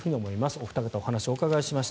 お二方お話をお伺いしました。